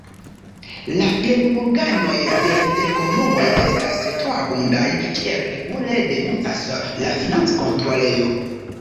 La plenumorganoj de la interkomunumoj estas troabundaj, kiel regule denuncas la financkontrolejo.